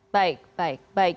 baik baik baik